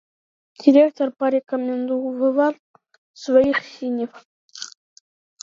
Директор порекомендував своїх синів.